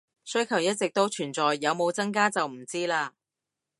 需求一直都存在，有冇增加就唔知喇